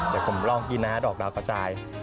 เดี๋ยวผมลองกินนะดอกดาวกระจาย